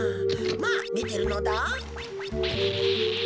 まあみてるのだ。